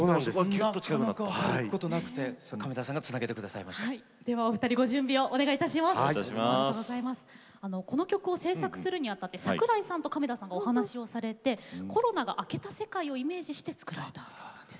なかなか行くことがなくて亀田さんがこの曲を制作するにあたって桜井さんと亀田さんがお話をされてコロナが明けた世界をイメージして作られたそうなんです。